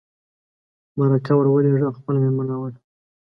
مرکه ور ولېږه او خپله مېرمن راوله.